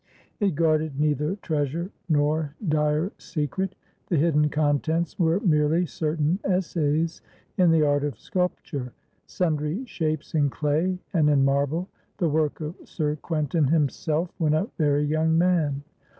It guarded neither treasure nor dire secret; the hidden contents were merely certain essays in the art of sculpture, sundry shapes in clay and in marble, the work of Sir Quentin himself when a very young man.